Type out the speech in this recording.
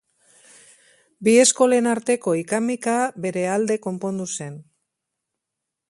Bi eskolen arteko ika-mika, bere alde konpondu zen.